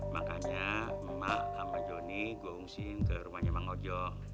makanya emak sama jonny gue ngungsiin ke rumahnya mang ojo